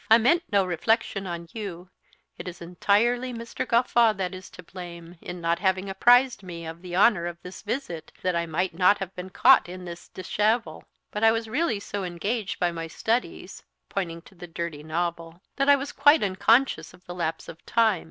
I meant no reflection on you; it is entirely Mr. Gawffaw that is to blame, in not having apprised me of the honour of this visit, that I might not have been caught in this déshabille; but I was really so engaged by my studies " pointing to the dirty novel "that I was quite unconscious of the lapse of time."